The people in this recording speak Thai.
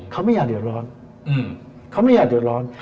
เขาไม่อยากเดือดร้อน